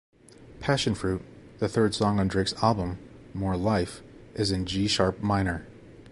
"Passionfruit", the third song on Drake's album "More Life", is in G-sharp minor.